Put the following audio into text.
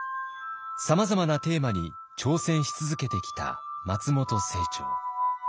さまざまなテーマに挑戦し続けてきた松本清張。